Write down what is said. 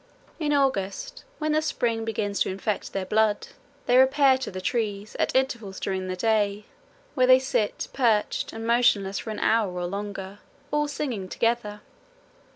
In August, when the spring begins to infect their blood, they repair to the trees at intervals during the day, where they sit perched and motionless for an hour or longer, all singing together.